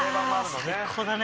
最高だね。